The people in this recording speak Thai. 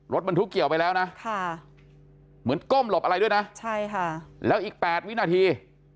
รถบรรทุกเกี่ยวไปแล้วนะเหมือนก้มหลบอะไรด้วยนะใช่ค่ะแล้วอีก๘วินาที